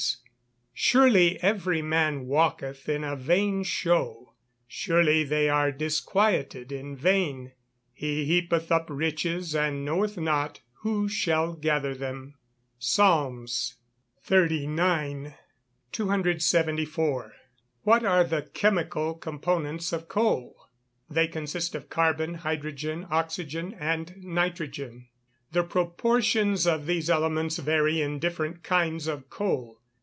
[Verse: "Surely every man walketh in a vain show; surely they are disquieted in vain: he heapeth up riches, and knoweth not who shall gather them." PS. XXXIX.] 274. What are the chemical components of coal? They consist of carbon, hydrogen, oxygen, and nitrogen. The proportions of these elements vary in different kinds of coal.